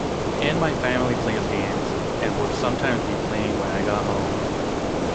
And my family plays games, and would sometimes be playing when I got home.